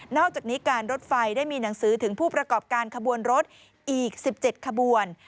อกจากนี้การรถไฟได้มีหนังสือถึงผู้ประกอบการขบวนรถอีก๑๗ขบวน